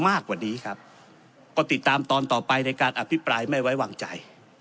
มากกว่านี้ครับก็ติดตามตอนต่อไปในการอภิปรายไม่ไว้วางใจ